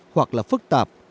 hoặc là phức tạp